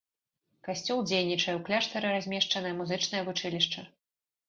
Касцёл дзейнічае, у кляштары размешчанае музычнае вучылішча.